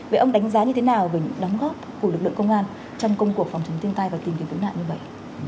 vậy ông đánh giá như thế nào về những đóng góp của lực lượng công an trong công cuộc phòng chống thiên tai và tìm kiếm cứu nạn như vậy